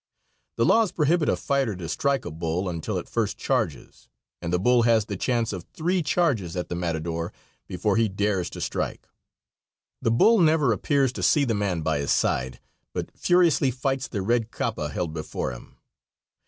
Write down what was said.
_ The laws prohibit a fighter to strike a bull until it first charges, and the bull has the chance of three charges at the matador before he dares to strike. The bull never appears to see the man by his side, but furiously fights the red capa held before him.